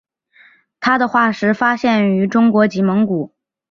它的化石发现于中国及蒙古。